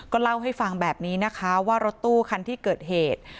เล่าให้ฟังแบบนี้นะคะว่ารถตู้คันที่เกิดเหตุ